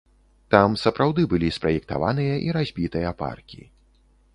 Там сапраўды былі спраектаваныя і разбітыя паркі.